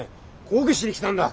抗議しに来たんだ！